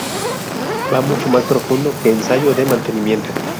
Va mucho más profundo que ensayo de mantenimiento.